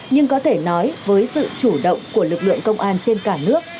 nhưng có thể nói với sự chủ động của lực lượng công an trên cả nước